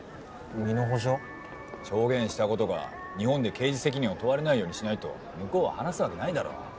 証言した事が日本で刑事責任を問われないようにしないと向こうは話す訳ないだろう。